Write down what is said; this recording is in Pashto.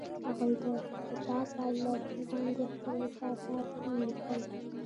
هغوی د کتاب پر لرګي باندې خپل احساسات هم لیکل.